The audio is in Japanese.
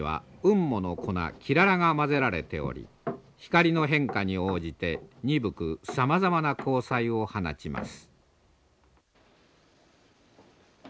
雲母の粉きららが混ぜられており光の変化に応じて鈍くさまざまな光彩を放ちます。